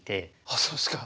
あっそうですか。